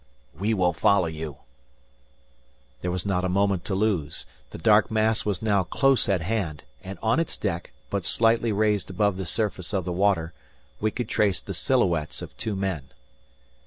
"We will follow you." There was not a moment to lose. The dark mass was now close at hand, and on its deck, but slightly raised above the surface of the water, we could trace the silhouettes of two men.